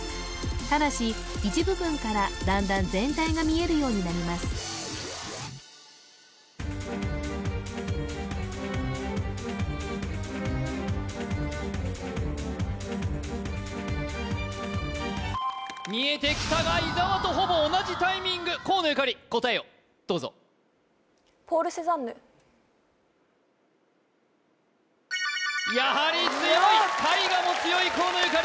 ただし一部分からだんだん全体が見えるようになります見えてきたが伊沢とほぼ同じタイミング河野ゆかり答えをどうぞやはり強い絵画も強い河野ゆかり